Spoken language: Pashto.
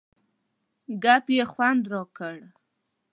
ګپ یې خوند را کړ.